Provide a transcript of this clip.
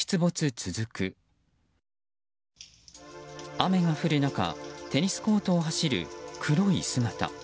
雨が降る中テニスコートを走る黒い姿。